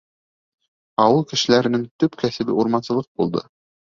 Ауыл кешеләренең төп кәсебе урмансылыҡ булды.